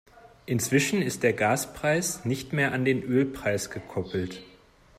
Inzwischen ist der Gaspreis nicht mehr an den Ölpreis gekoppelt.